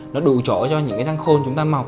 nó đủ trỏ cho những răng khôn